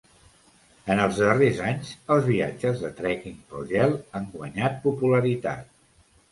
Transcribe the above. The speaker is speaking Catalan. En els darrers anys, els viatges de trekking pel gel han guanyat popularitat.